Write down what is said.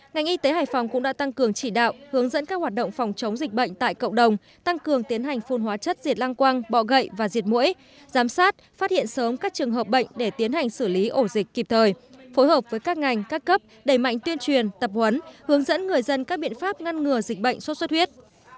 ngành y tế hải phòng cũng đã tăng cường chỉ đạo hướng dẫn các hoạt động phòng chống dịch bệnh tại cộng đồng tăng cường tiến hành phun hóa chất diệt lang quang bọ gậy và diệt mũi giám sát phát hiện sớm các trường hợp bệnh để tiến hành xử lý ổ dịch kịp thời phối hợp với các ngành các cấp đẩy mạnh tuyên truyền tập huấn hướng dẫn người dân các biện pháp ngăn ngừa dịch bệnh sốt xuất huyết